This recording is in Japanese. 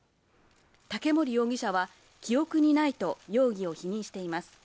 竹森容疑者は記憶にないと容疑を否認しています。